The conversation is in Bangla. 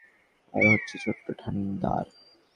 আর ও হচ্ছে ছোট্ট থান্ডার।